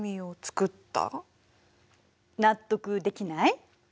納得できない？